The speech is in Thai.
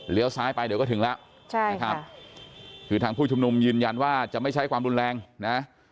ซ้ายไปเดี๋ยวก็ถึงแล้วใช่นะครับคือทางผู้ชุมนุมยืนยันว่าจะไม่ใช้ความรุนแรงนะ